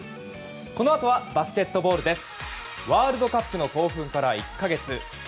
このあとはバスケットボールです。